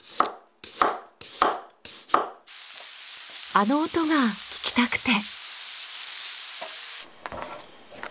あの音が聞きたくて。